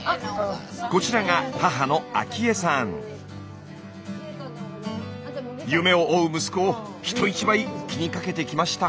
こちらが夢を追う息子を人一倍気にかけてきました。